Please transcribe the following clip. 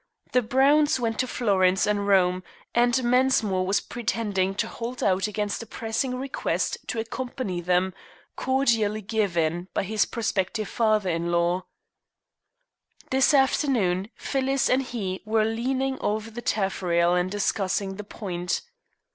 The Brownes went to Florence and Rome, and Mensmore was pretending to hold out against a pressing request to accompany them, cordially given by his prospective father in law. This afternoon Phyllis and he were leaning over the taffrail and discussing the point.